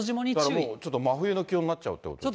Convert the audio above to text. だからもうちょっと真冬の気温になっちゃうということですね。